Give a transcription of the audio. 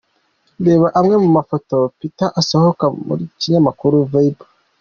Reba amwe mu mafoto ya Peter azasohoka mu kinyamakuru Vibe